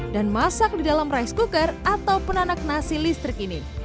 dan masak di dalam rice cooker atau penanak nasi listrik ini